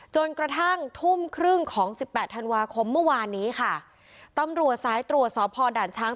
จนกระทั่งทุ่มครึ่งของสิบแปดธันวาคมเมื่อวานนี้ค่ะตำรวจสายตรวจสอบพอด่านช้าง